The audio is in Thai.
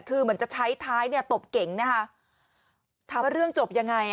คือเหมือนจะใช้ท้ายเนี่ยตบเก๋งนะคะถามว่าเรื่องจบยังไงอ่ะ